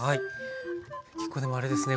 結構でもあれですね